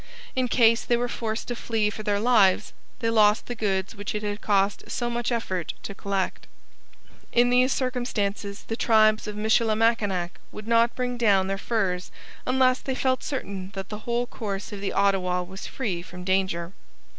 In case they were forced to flee for their lives, they lost the goods which it had cost so much effort to collect. In these circumstances the tribes of Michilimackinac would not bring down their furs unless they felt certain that the whole course of the Ottawa was free from danger.